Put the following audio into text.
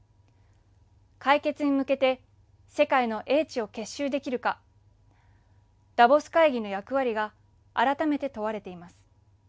解決に向けて世界の英知を結集できるかダボス会議の役割が改めて問われています。